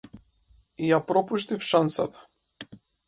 Ја пропуштив шансата.